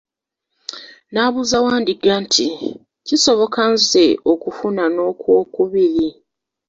N'abuuza Wandiga nti, kisoboka nze okufuna n'okwokubiri?